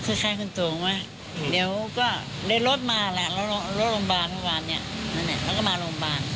คือไข้คุณสูงไหมเดี๋ยวก็เรียนรถมาแหละรถโรงพยาบาลเท่าไหร่เนี่ยแล้วก็มาโรงพยาบาล